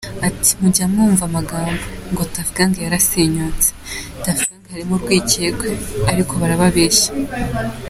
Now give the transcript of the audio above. Ati, “Mujya mwumva amagambo, ngo Tuff Gang yarasenyutse, Tuff Gang harimo urwicyekwe, ariko barababeshya .